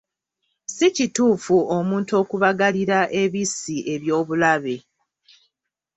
Si kituufu omuntu okubagalira ebissi eby'obulabe.